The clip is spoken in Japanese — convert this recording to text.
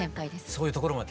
そういうところも。